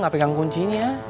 gak pegang kuncinya